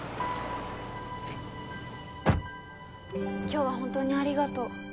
今日は本当にありがとう。